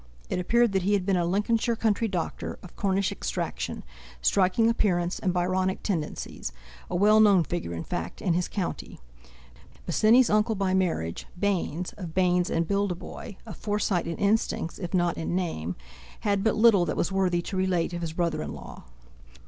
It appeared that he had been a Lincolnshire country doctor of Cornish extraction, striking appearance, and Byronic tendencies—a well known figure, in fact, in his county. Bosinney's uncle by marriage, Baynes, of Baynes and Bildeboy, a Forsyte in instincts if not in name, had but little that was worthy to relate of his brother in law.